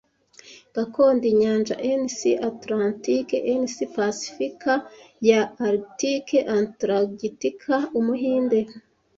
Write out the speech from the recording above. Gakondo Inyanja NS Atlantike NS Pasifika ya Arctique Antaragitika? Umuhinde